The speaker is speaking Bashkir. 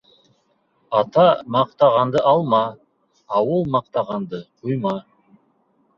Ата маҡтағанды алма, ауыл маҡтағанды ҡуйма.